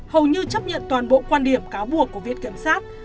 hầu như chấp nhận toàn bộ quan điểm cáo buộc của viện kiểm sát